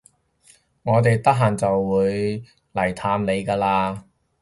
我哋得閒就會嚟探你㗎啦